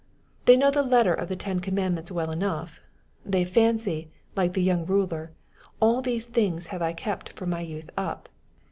They know the letter of the ten com mandments well enough. They fancy, like the young ruler, " all these have I kept from my youth up."